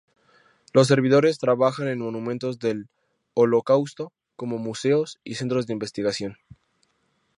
Los servidores trabajan en monumentos del holocausto, como museos y centros de investigación.